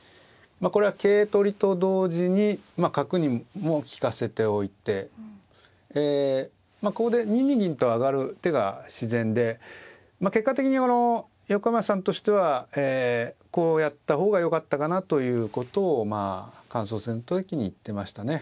これは桂取りと同時に角にも利かせておいてここで２二銀と上がる手が自然で結果的に横山さんとしてはこうやった方がよかったかなということを感想戦の時に言ってましたね。